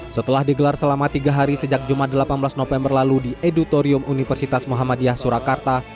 setelah digelar selama tiga hari sejak jumat delapan belas november lalu di editorium universitas muhammadiyah surakarta